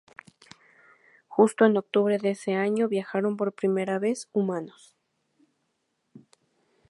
Justo en octubre de ese año viajaron por primera vez humanos.